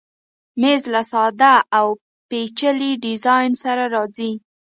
مېز له ساده او پیچلي ډیزاین سره راځي.